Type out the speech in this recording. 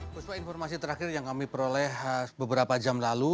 puspa informasi terakhir yang kami peroleh beberapa jam lalu